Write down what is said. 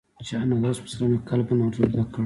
چي آنحضرت ص یې قلباً آزرده کړ.